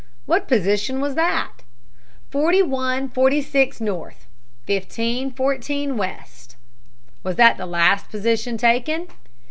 "What position was that?" "Forty one forty six north, fifty fourteen west." "Was that the last position taken?"